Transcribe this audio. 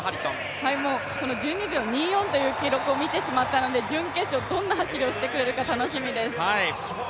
１２秒２４という記録を見てしまったので準決勝、どんな走りをしてくれるか楽しみです。